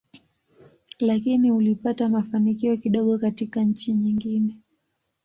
Lakini ulipata mafanikio kidogo katika nchi nyingine.